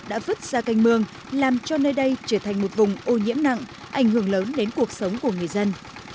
đã vứt ra canh mương làm cho nơi đây trở thành một vùng ô nhiễm nặng ảnh hưởng lớn đến cuộc sống của người dân